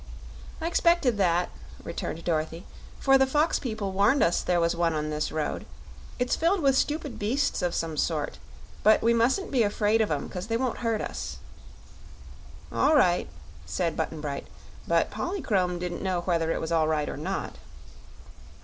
"I 'spected that," returned Dorothy; "for the fox people warned us there was one on this road. It's filled with stupid beasts of some sort, but we musn't be afraid of 'em 'cause they won't hurt us." "All right," said Button Bright; but Polychrome didn't know whether it was all right or not.